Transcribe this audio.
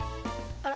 あれ？